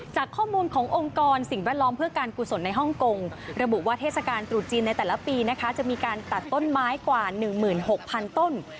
จากข้อมูลขององค์กรสิ่งแวดล้อมเพื่อการกุศลในฮ่องกงระบุว่าเทศกาลตรุษจีนในแต่ละปีนะคะจะมีการตัดต้นไม้กว่า๑๖๐๐๐ต้น